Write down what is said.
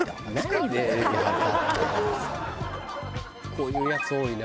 「こういうやつ多いな」